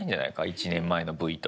１年前のＶと。